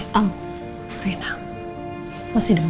eh ang rena masih demam